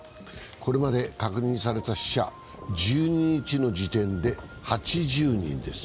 これまで確認された死者、１２日の時点で８０人です。